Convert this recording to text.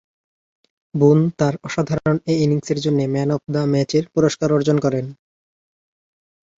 বুন তাঁর অসাধারণ এ ইনিংসের জন্যে ম্যান অব দ্য ম্যাচের পুরস্কার অর্জন করেন।